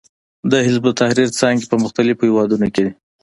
د حزب التحریر څانګې په مختلفو هېوادونو کې دي.